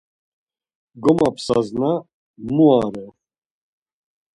Gomapsasna mu vare?